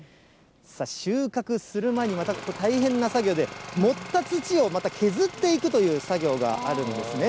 収穫する前に、また大変な作業で、盛った土をまた削っていくという作業があるんですね。